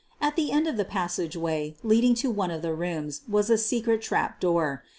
At the end of the passageway leading to one of the rooms was a secret trap door.